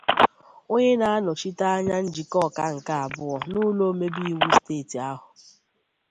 onye na-anọchite anya Njikọka nke abụọ n'ụlọ omebe iwu steeti ahụ